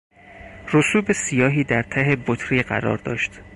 رسوب سیاهی در ته بطری قرار داشت.